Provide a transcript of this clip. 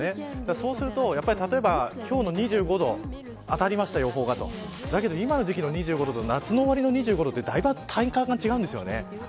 そうすると例えば、今日の２５度当たりました、予報がとだけど、今の時期の２５度と夏の終わりの２５度は体感が違うんですよね。